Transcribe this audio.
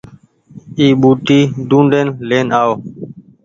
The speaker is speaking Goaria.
اي ٻوٽي ڊونڊين لين آئو